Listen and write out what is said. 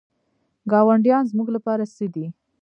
ګاونډیان زموږ لپاره څه دي؟